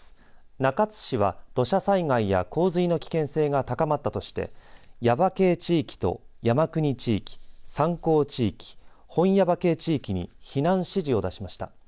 中津市は土砂災害や洪水の危険性が高まったとして耶馬渓地域と山国地域三光地域、本耶馬渓地域に避難指示を出しました。